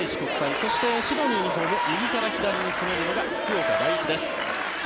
そして、白のユニホーム右から左に攻めるのが福岡第一です。